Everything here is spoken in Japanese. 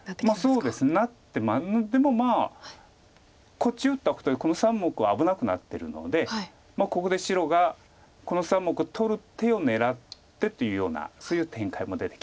そうですねでもまあこっち打ったことでこの３目は危なくなってるのでここで白がこの３目取る手を狙ってっていうようなそういう展開も出てきますので。